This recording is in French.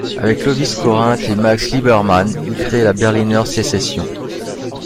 Avec Lovis Corinth et Max Liebermann, il crée la Berliner Secession.